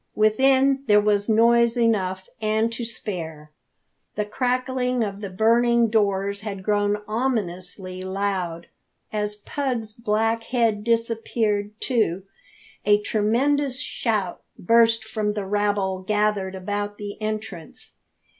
Within there was noise enough and to spare. The crackling of the burning doors had grown ominously loud. As Pug's black head disappeared, too, a tremendous shout burst from the rabble gathered about the entrance.